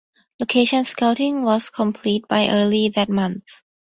Location scouting was complete by early that month.